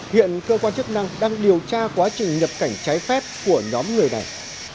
hiện cơ quan chức năng đang điều tra quá trình nhập cảnh trái phép của nhóm người này